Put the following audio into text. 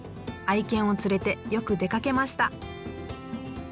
愛犬を連れてよく出かけました。